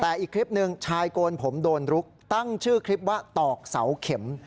แต่อีกคลิปหนึ่งชายโกนผมโดนรุกตั้งชื่อคลิปว่าตอกเสาเข็ม